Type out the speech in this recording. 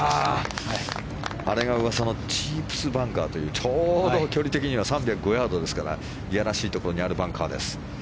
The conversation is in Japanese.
あれが噂のチープスバンカーというちょうど、距離的には３０５ヤードですからいやらしいところにあるバンカーです。